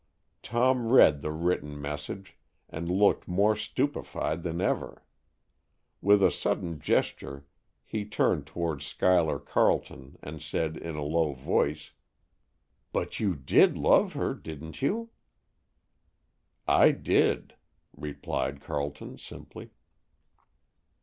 Tom read the written message, and looked more stupefied than ever. With a sudden gesture he turned towards Schuyler Carleton and said in a low voice, "but you did love her, didn't you?" "I did," replied Carleton simply.